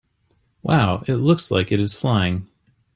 Wow! It looks like it is flying!